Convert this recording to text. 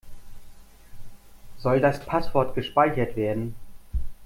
Soll das Passwort gespeichert werden?